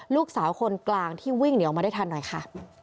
ลูกสาวคนกลางที่วิ่งหนีออกมาได้ทันหน่อยค่ะ